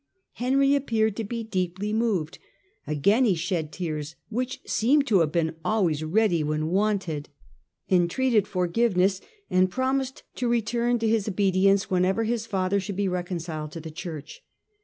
Henry appeared to be deeply moved : again he shed tears (which seem to have been always ready when wanted), entreated forgiveness, and promised to return to his obedience whenever his father should be reconciled to the Church.